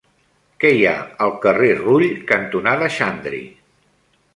Què hi ha al carrer Rull cantonada Xandri?